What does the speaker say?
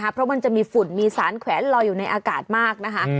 เพราะมันจะมีฝุ่นมีสารแขวนลอยอยู่ในอากาศมากนะคะ